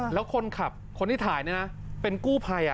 แล้วคนขับคนที่ถ่ายนี่นะเป็นกู้ภัย